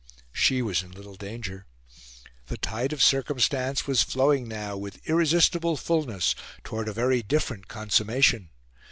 She was in little danger. The tide of circumstance was flowing now with irresistible fullness towards a very different consummation.